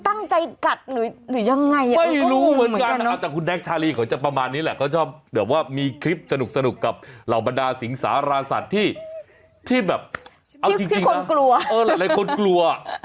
ที่คนกลัวใช่ไหมเขาเป็นคนรักสัตว์